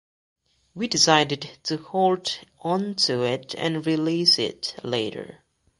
We decided to hold onto it and release it later.